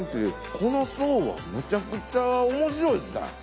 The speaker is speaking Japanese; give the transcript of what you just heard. この層はむちゃくちゃ面白いですね。